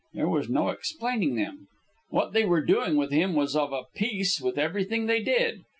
There was no explaining them. What they were doing with him was of a piece with everything they did.